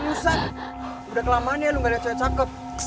ih lulusan udah kelamaan ya lo gak liat soya cakep